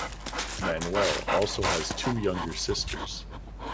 Manuel also has two younger sisters.